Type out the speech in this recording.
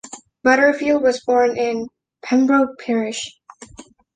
Butterfield was born in Pembroke Parish.